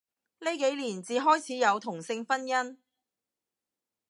呢幾年至開始有同性婚姻